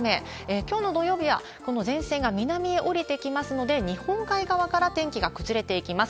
きょうの土曜日は、この前線が南へ下りてきますので、日本海側から天気が崩れていきます。